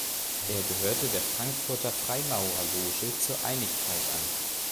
Er gehörte der Frankfurter Freimaurerloge "Zur Einigkeit" an.